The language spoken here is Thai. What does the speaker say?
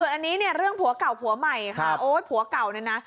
อันนี้เนี่ยเรื่องผัวเก่าผัวใหม่ค่ะโอ๊ยผัวเก่าเนี่ยนะ